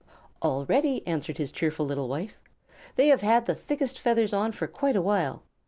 "All ready," answered his cheerful little wife. "They have had their thickest feathers on for quite a while.